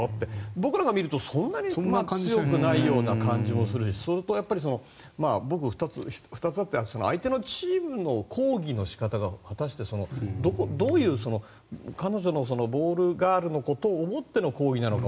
僕らが見るとそんなに強くないような感じもするしそれと、僕、２つあって相手のチームの抗議の仕方が果たしてどういう彼女の、ボールガールのことを思っての抗議なのか